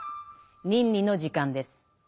倫理の時間です。